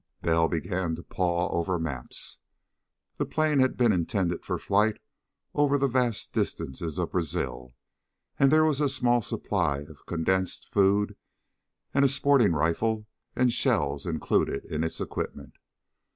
Bell began to paw over maps. The plane had been intended for flight over the vast distances of Brazil, and there was a small supply of condensed food and a sporting rifle and shells included in its equipment.